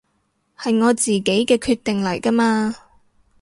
係我自己嘅決定嚟㗎嘛